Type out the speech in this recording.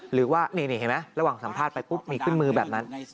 หรือว่านี่เห็นไหมระหว่างสัมภาษณ์ไปปุ๊บมีขึ้นมือแบบนั้น